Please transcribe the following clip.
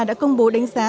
đã công bố đánh giá